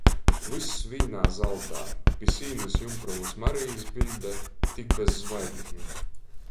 Vyss vīnā zaltā, pi sīnys Jumprovys Marijis biļde, tik bez zvaigžņu.